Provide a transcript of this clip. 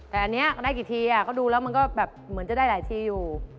แต่อันนี้ได้กี่ทีก็ดูแล้วมันก็แบบเหมือนจะได้หลายทีอยู่